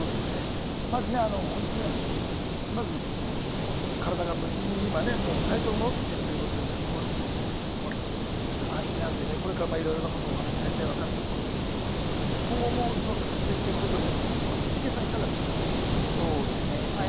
まず本当に体が無事に、今、体調も戻ってきているということで、そこは少し安心なんで、これからいろいろなことをお話されて分かっていくと思うんですけれども、今後も捜査が続いていくということなんですけれど、イシケンさん、いかがですか？